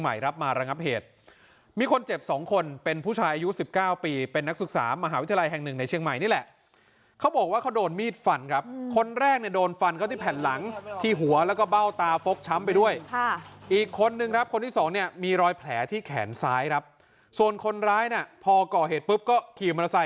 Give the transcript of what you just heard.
รับมาระงับเหตุมีคนเจ็บสองคนเป็นผู้ชายอายุ๑๙ปีเป็นนักศึกษามหาวิทยาลัยแห่งหนึ่งในเชียงใหม่นี่แหละเขาบอกว่าเขาโดนมีดฟันครับคนแรกเนี่ยโดนฟันเขาที่แผ่นหลังที่หัวแล้วก็เบ้าตาฟกช้ำไปด้วยค่ะอีกคนนึงครับคนที่สองเนี่ยมีรอยแผลที่แขนซ้ายครับส่วนคนร้ายน่ะพอก่อเหตุปุ๊บก็ขี่มอเตอร์ไซค